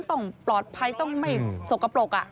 ต้องปลอดภัยต้องไม่สกปรก